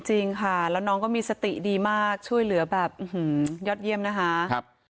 จริงค่ะแล้วน้องก็มีสติดีมากช่วยเหลือแบบยอดเยี่ยมนะคะ